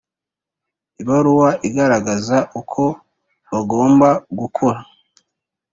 ibaruwa igaragaza uko bagomba gukora